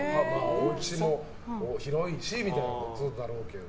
おうちも広いしみたいなこともあるだろうけど。